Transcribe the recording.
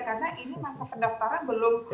karena ini masa pendaftaran belum